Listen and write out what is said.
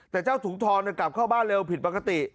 แต่เจ้าถุงทองกลับเข้าบ้านเร็วผิดปกติ